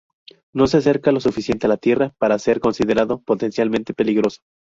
No se acerca lo suficiente a la Tierra para ser considerado potencialmente peligroso.